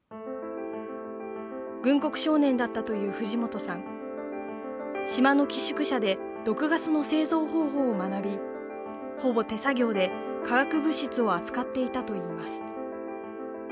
軍国少年だったという藤本さん島の寄宿舎で毒ガスの製造方法を学びほぼ手作業で化学物質を扱っていたといいます